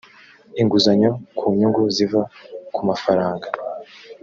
inguzanyo ku nyungu ziva ku mafaranga.